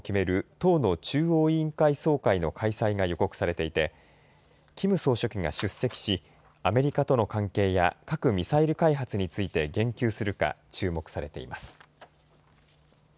党の中央委員会総会の開催が予告されていてキム総書記が出席しアメリカとの関係や核・ミサイル開発について言及するか注目されています。